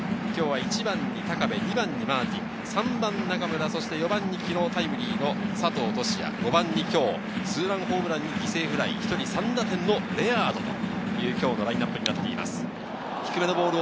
１番・高部、２番マーティン、３番に中村、４番に昨日タイムリーの佐藤都志也、５番に今日ツーランホームランと犠牲フライ、１人３打点のレアードというラインアップです。